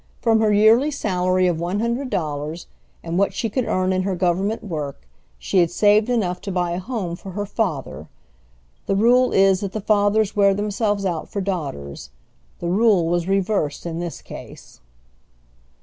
From her yearly salary of one hundred dollars, and what she could earn in her government work, she had saved enough to buy a home for her father! The rule is that the fathers wear themselves out for daughters; the rule was reversed in this case.